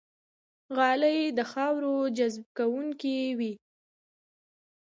غالۍ د خاورو جذب کوونکې وي.